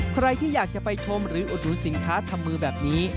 ใครที่อยากจะไปชมหรืออุดหนุนสินค้าทำมือแบบนี้